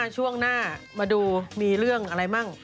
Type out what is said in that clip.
ช่วงหน้ามาดูมีเรื่องอะไรมั่ง